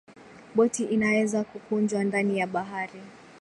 boti inaweza kukunjwa ndani ya bahari